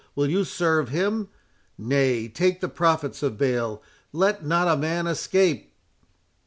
—will you serve him? Nay, take the prophets of Baal—let not a man escape!"